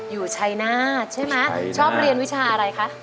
อยู่ชัยนาธใช่ไหมชอบเรียนวิชาอะไรคะ